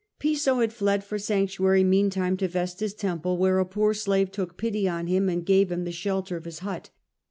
Piso had fled for sanctuary meantime to Vestals temple, where a poor slave took pity on him and gave him the shelter of his hut.